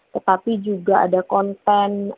tetapi juga ada konten